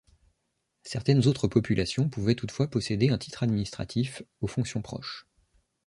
Certaines autres populations pouvaient toutefois posséder un titre administratif aux fonctions proches.